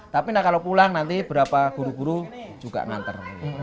tapi kalau pulang nanti berapa guru guru juga nganter